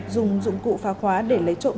dùng dụng cụ phá khóa để lấy trộm